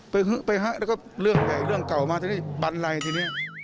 ไปฮะแล้วก็เรื่องใหญ่เรื่องเก่ามาทีนี้บันไลทีนี้